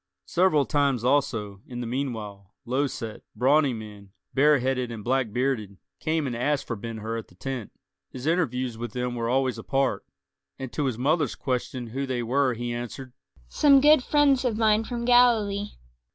Several times also, in the meanwhile, low set, brawny men, bareheaded and black bearded, came and asked for Ben Hur at the tent; his interviews with them were always apart; and to his mother's question who they were he answered, "Some good friends of mine from Galilee."